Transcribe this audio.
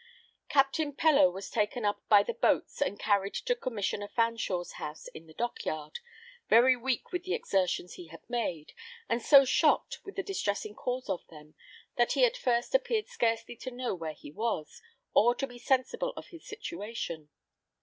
Captain Pellow was taken up by the boats and carried to Commissioner Fanshaw's house in the dock yard, very weak with the exertions he had made, and so shocked with the distressing cause of them, that he at first appeared scarcely to know where he was, or to be sensible of his situation.